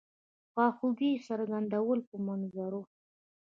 خواخوږی څرګندولو په منظور.